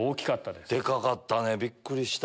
でかかったねびっくりした。